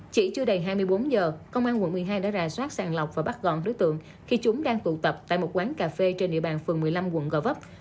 chỉ chưa đầy hai mươi bốn giờ công an quận một mươi hai đã rà soát sàng lọc và bắt gọn đối tượng khi chúng đang tụ tập tại một quán cà phê trên địa bàn phường một mươi năm quận gò vấp